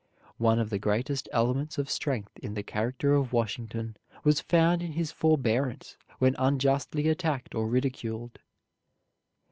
One of the greatest elements of strength in the character of Washington was found in his forbearance when unjustly attacked or ridiculed.